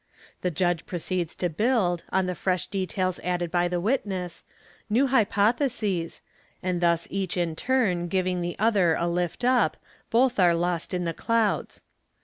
The judge proceeds to build, on. the fresh details added by the witness, new hypotheses, and thus each in turn giving the other a lift up, both are lost in the clouds.